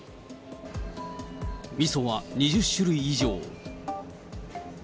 みそは２０種類以上。